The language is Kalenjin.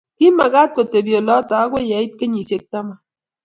Kimagaat kotebe olotok akoy ye it kenyisyek taman.